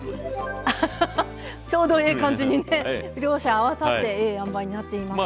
あはははちょうどええ感じにね両者合わさってええ塩梅になっています。